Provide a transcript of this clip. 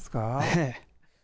ええ。